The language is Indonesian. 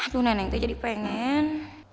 tuh neneng teh jadi pengen